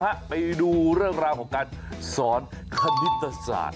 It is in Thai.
สวัสดีค่ะไปดูเรื่องราวของการสอนคณิตศาสต์